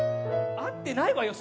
合ってないわよ